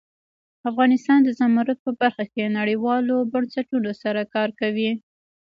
افغانستان د زمرد په برخه کې نړیوالو بنسټونو سره کار کوي.